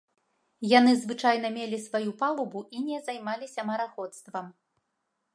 Яны звычайна мелі сваю палубу і не займаліся мараходствам.